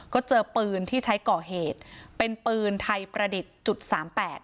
ก็เจอปืนที่ใช้ก่อเหตุเป็นปืนไทยประดิษฐ์จุดสามแปด